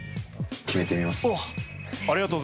決めてみました。